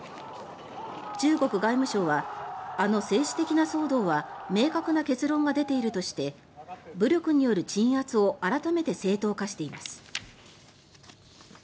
中国外務省はあの政治的な騒動は明確な結論が出ているとして武力による鎮圧を改めて正当化しています。